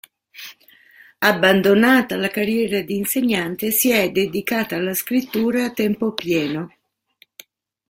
Abbandonata la carriera di insegnante, si è dedicata alla scrittura a tempo pieno.